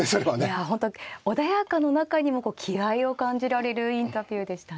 いや本当穏やかな中にも気合いを感じられるインタビューでしたね。